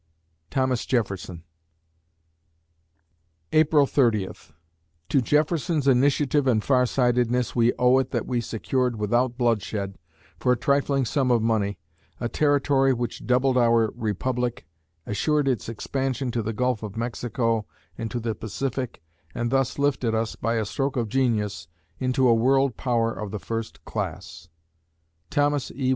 THOMAS JEFFERSON April Thirtieth To Jefferson's initiative and farsightedness we owe it that we secured without bloodshed, for a trifling sum of money, a territory which doubled our republic, assured its expansion to the Gulf of Mexico and to the Pacific, and thus lifted us, by a stroke of genius, into a world power of the first class. THOMAS E.